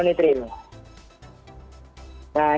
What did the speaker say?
nah ini mungkin tiga tiganya itu